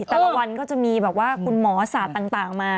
แต่ละวันก็จะมีคุณหมอสาบต่างมา